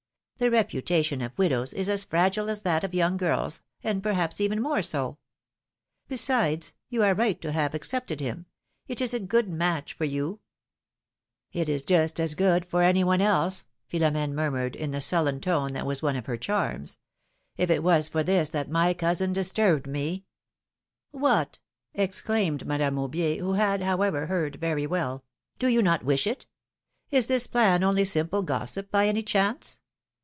The reputa tion of widows is as fragile as that of young girls, and perhaps even more so. Besides, you are right to have accepted him ; it is a good match for you — '^It is just as good for any one else,^^ Philomene mur mured in the sullen tone that was one of her charms; ^^if it was for this that my cousin disturbed me — ^^What!^^ exclaimed Madame Aubier, who had, how ever, heard very well, ^^do you not wish it? Is this plan only simple gossip, by any chance?